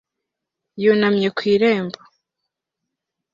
yunamye ku irembo